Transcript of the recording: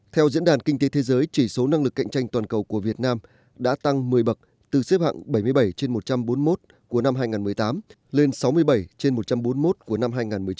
theo diễn đàn kinh tế thế giới chỉ số năng lực cạnh tranh toàn cầu của việt nam đã tăng một mươi bậc từ xếp hạng bảy mươi bảy trên một trăm bốn mươi một của năm hai nghìn một mươi tám lên sáu mươi bảy trên một trăm bốn mươi một của năm hai nghìn một mươi chín